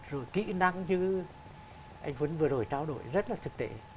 rồi kỹ năng như anh huấn vừa rồi trao đổi rất là thực tế